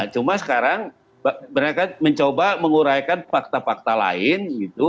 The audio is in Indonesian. cuma sekarang mereka mencoba menguraikan fakta fakta lain gitu